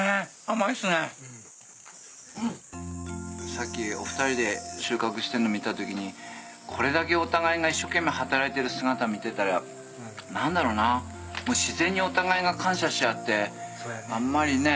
さっきお二人で収穫してるの見た時にこれだけお互いが一生懸命働いてる姿見てたら何だろうな自然にお互いが感謝し合ってあんまりね。